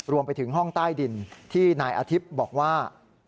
รวมไปถึงห้องใต้ดินที่นายอาทิตย์บอกว่า